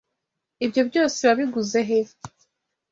Ibyo byose wabiguze he?